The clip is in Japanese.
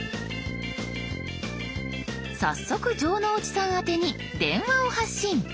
早速城之内さん宛てに電話を発信。